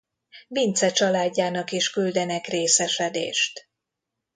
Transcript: Vince családjának is küldenek részesedést.